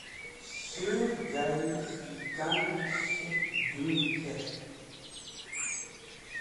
Surjavẽs̃h yikangẽr shet dũm kert.